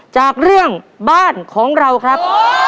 จากเรื่องบ้านของเราครับ